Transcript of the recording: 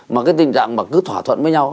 mà cái tình trạng mà cứ thỏa thuận với nhau